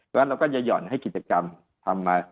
เพราะฉะนั้นเราก็จะหย่อนให้กิจกรรมทำมา